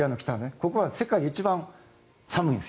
ここは世界で一番寒いんです